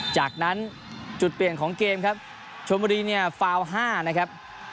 จากนั้นจุดเปลี่ยนของเกมครับชมบุรีเนี่ยฟาว๕นะครับ